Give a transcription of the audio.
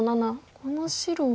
この白は。